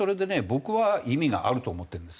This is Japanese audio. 僕は意味があると思ってるんですよ。